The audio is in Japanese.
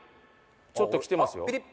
ちょっときてますよあっ